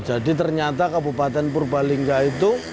jadi ternyata kabupaten purbalingga itu